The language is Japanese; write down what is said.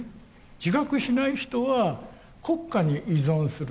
自覚しない人は国家に依存する。